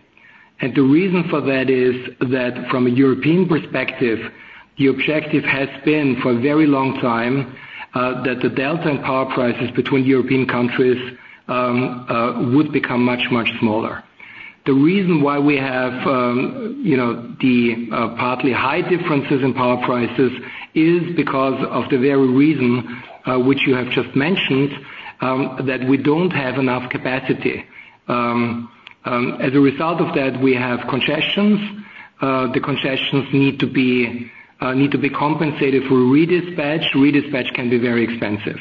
And the reason for that is that from a European perspective, the objective has been for a very long time that the delta in power prices between European countries would become much, much smaller. The reason why we have the partly high differences in power prices is because of the very reason which you have just mentioned, that we don't have enough capacity. As a result of that, we have congestions. The congestions need to be compensated for redispatch. Redispatch can be very expensive.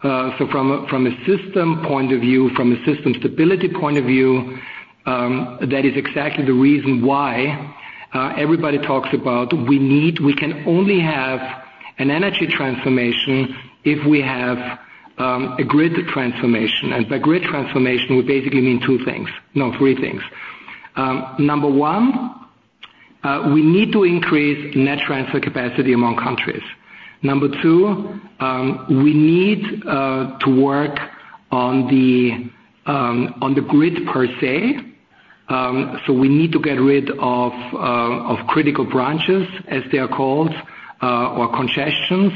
From a system point of view, from a system stability point of view, that is exactly the reason why everybody talks about, "We can only have an energy transformation if we have a grid transformation." By grid transformation, we basically mean two things no, three things. Number one, we need to increase Net Transfer Capacity among countries. Number two, we need to work on the grid per se. We need to get rid of critical branches, as they are called, or congestions.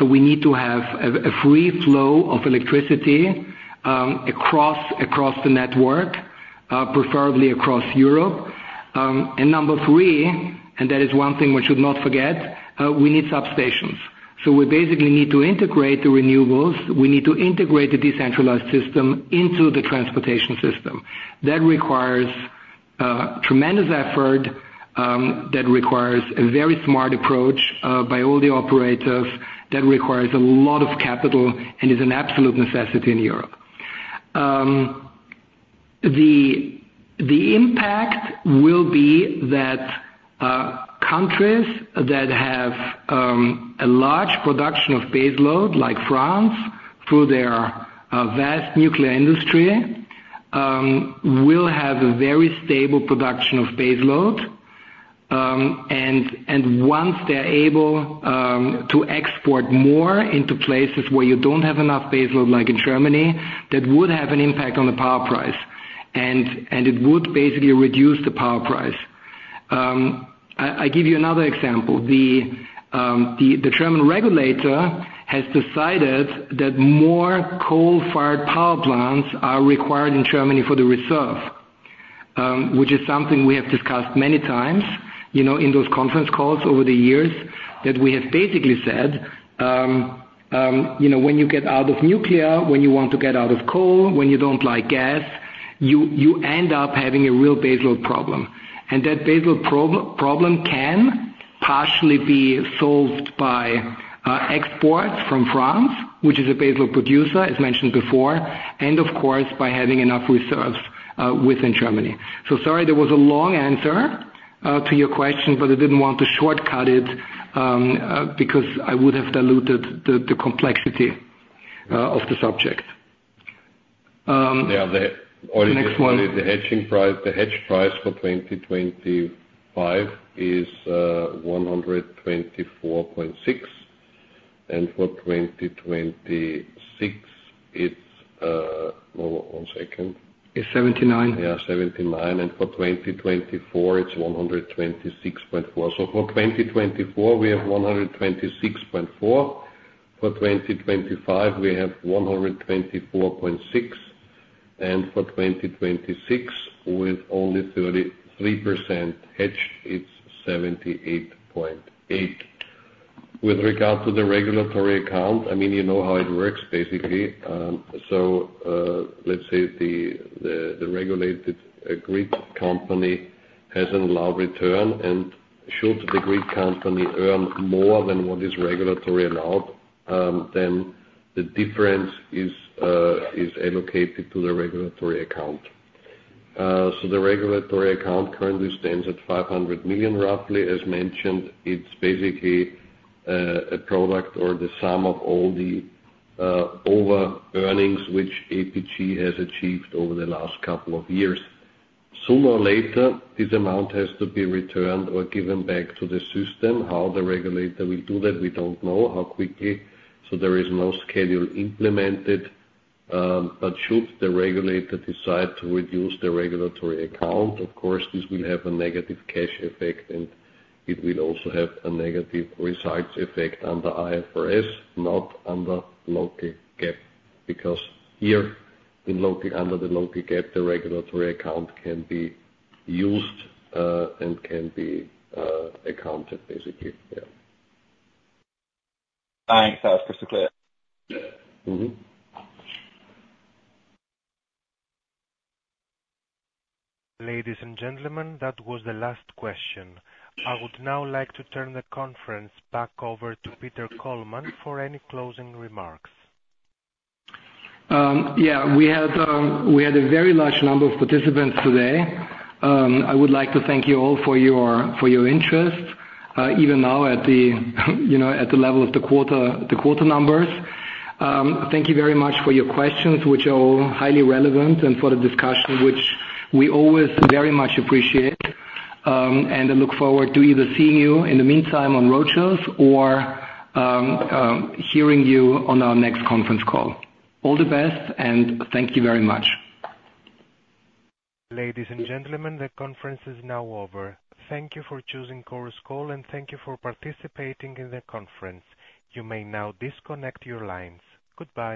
We need to have a free flow of electricity across the network, preferably across Europe. Number three - and that is one thing we should not forget - we need substations. We basically need to integrate the renewables. We need to integrate the decentralized system into the transportation system. That requires tremendous effort. That requires a very smart approach by all the operators. That requires a lot of capital and is an absolute necessity in Europe. The impact will be that countries that have a large production of baseload, like France, through their vast nuclear industry, will have a very stable production of baseload. Once they're able to export more into places where you don't have enough baseload, like in Germany, that would have an impact on the power price. It would basically reduce the power price. I give you another example. The German regulator has decided that more coal-fired power plants are required in Germany for the reserve, which is something we have discussed many times in those conference calls over the years, that we have basically said, "When you get out of nuclear, when you want to get out of coal, when you don't like gas, you end up having a real baseload problem." And that baseload problem can partially be solved by exports from France, which is a baseload producer, as mentioned before, and, of course, by having enough reserves within Germany. So sorry, that was a long answer to your question, but I didn't want to shortcut it because I would have diluted the complexity of the subject. Yeah. The hedge price for 2025 is 124.6. And for 2026, it's no, one second. It's 79. Yeah, 79. And for 2024, it's 126.4. So for 2024, we have 126.4. For 2025, we have 124.6. And for 2026, with only 33% hedged, it's 78.8. With regard to the regulatory account, I mean, you know how it works, basically. So let's say the regulated grid company has an allowed return. And should the grid company earn more than what is regulatory allowed, then the difference is allocated to the regulatory account. So the regulatory account currently stands at 500 million, roughly. As mentioned, it's basically a product or the sum of all the over-earnings which APG has achieved over the last couple of years. Sooner or later, this amount has to be returned or given back to the system. How the regulator will do that, we don't know, how quickly. So there is no schedule implemented. But should the regulator decide to reduce the regulatory account, of course, this will have a negative cash effect, and it will also have a negative results effect under IFRS, not under Local GAAP because here, under the Local GAAP, the regulatory account can be used and can be accounted, basically. Yeah. Thanks. That was crystal clear. Yeah. Ladies and gentlemen, that was the last question. I would now like to turn the conference back over to Peter Kollmann for any closing remarks. Yeah. We had a very large number of participants today. I would like to thank you all for your interest, even now at the level of the quarter numbers. Thank you very much for your questions, which are all highly relevant, and for the discussion, which we always very much appreciate. And I look forward to either seeing you in the meantime on roadshows or hearing you on our next conference call. All the best, and thank you very much. Ladies and gentlemen, the conference is now over. Thank you for choosing Chorus Call, and thank you for participating in the conference. You may now disconnect your lines. Goodbye.